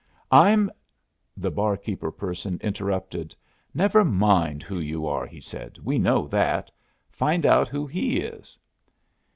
I'm " The barkeeper person interrupted. "Never mind who you are," he said. "We know that. Find out who he is."